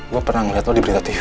gua pernah liat lo di berita tv